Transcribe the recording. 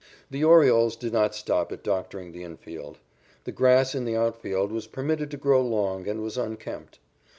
The Orioles did not stop at doctoring the infield. The grass in the outfield was permitted to grow long and was unkempt.